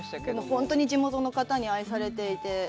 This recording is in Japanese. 本当に地元の方に愛されていて。